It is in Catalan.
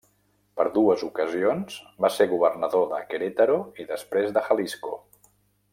Per dues ocasions va ser governador de Querétaro i després de Jalisco.